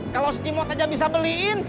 kalau setimot aja bisa beliin